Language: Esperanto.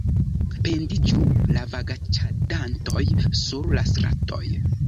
Pendiĝu la vagaĉadantoj sur la stratoj!